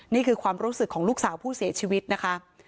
นี่คือความรู้สึกของลูกสาวผู้เสียชีวิตนะคะ